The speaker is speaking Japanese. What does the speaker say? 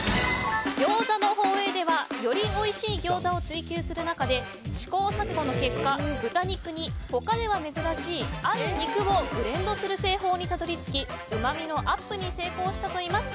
ぎょうざの宝永ではよりおいしいギョーザを追求する中で、試行錯誤の結果豚肉に他では珍しい、ある肉をブレンドする製法にたどり着きうまみのアップに成功したといいます。